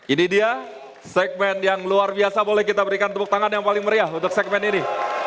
ini dia segmen yang luar biasa boleh kita berikan tepuk tangan yang paling meriah untuk segmen ini